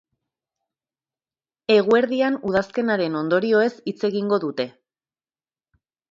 Eguerdian, udazkenaren ondorioez hitz egingo dute.